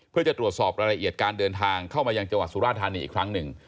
เพื่อจะตรวจสอบรายละเอียดการเดินทางเข้ามายังจังหวัดสุราธานีอีกครั้งหนึ่ง